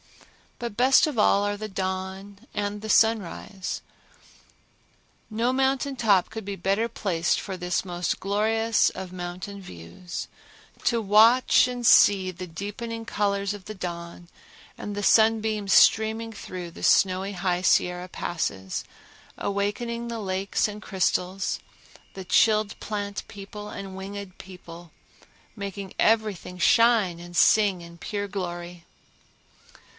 But best of all are the dawn and the sunrise. No mountain top could be better placed for this most glorious of mountain views—to watch and see the deepening colors of the dawn and the sunbeams streaming through the snowy High Sierra passes, awakening the lakes and crystals, the chilled plant people and winged people, and making everything shine and sing in pure glory.